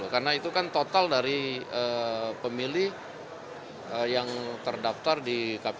karena itu kan total dari pemilih yang terdaftar di kpu